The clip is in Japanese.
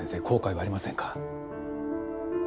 後悔はありませんか。